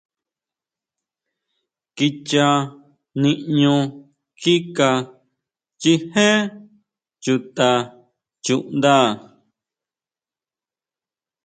Kicha niʼño kika chijé chuta chuʼnda.